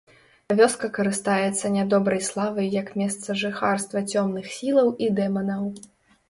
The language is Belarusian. Вёска карыстаецца нядобрай славай як месца жыхарства цёмных сілаў і дэманаў.